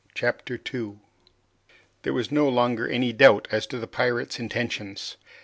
Chapter 2 There was no longer any doubt as to the pirates' intentions.